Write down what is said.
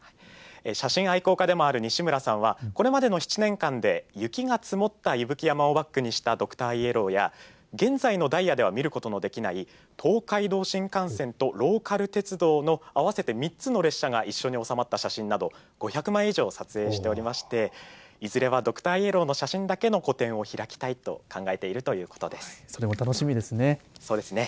写真愛好家でもある西村さんはこれまでの７年間で雪が積もった伊吹山をバックにしたドクターイエローや現在のダイヤでは見ることのできない東海道新幹線とローカル鉄道のあわせて３つの列車が一緒に収まった写真など５００枚以上撮影しておりましていずれはドクターイエローの写真だけの個展を開きたいと考えているようです。